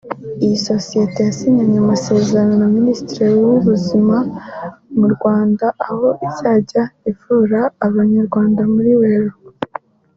Iyi sosiyete yasinyanye amasezerano (MoU) na minisiteri y’ubuzima mu Rwanda aho izajya ivura Abanyarwanda buri Werurwe